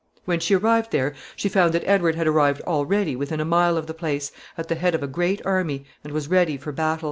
When she arrived there, she found that Edward had arrived already within a mile of the place, at the head of a great army, and was ready for battle.